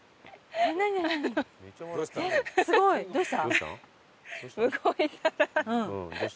すごい。どうした？